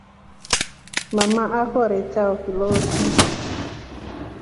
Mama akore chao kilosu.